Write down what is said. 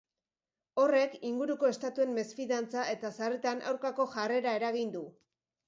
Horrek inguruko estatuen mesfidantza eta, sarritan, aurkako jarrera eragin du.